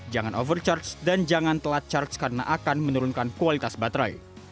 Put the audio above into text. jangan overcharge dan jangan telat charge karena akan menurunkan kualitas baterai